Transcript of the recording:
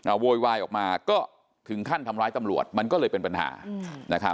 โวยวายออกมาก็ถึงขั้นทำร้ายตำรวจมันก็เลยเป็นปัญหานะครับ